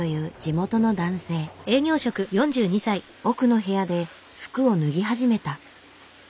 奥の部屋で服を脱ぎ始めた。